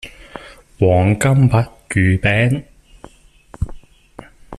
黃金墨魚餅